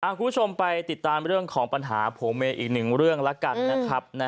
คุณผู้ชมไปติดตามเรื่องของปัญหาผัวเมียอีกหนึ่งเรื่องแล้วกันนะครับ